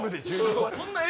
こんな。